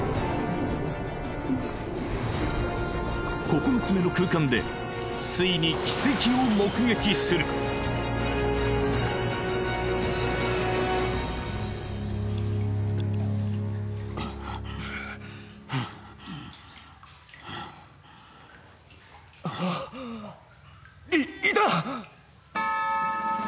９つ目の空間でついに奇跡を目撃するはあはああっいっいた！